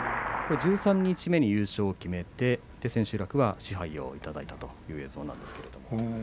十三日目に優勝を決めて千秋楽賜盃をいただいたという映像です。